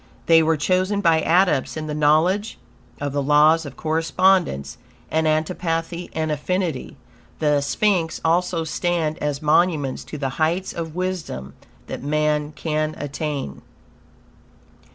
They were chosen by Adepts in the knowledge of the Laws of Correspondence and antipathy and affinity. The sphinx also stand as monuments to the heights of wisdom that man can attain.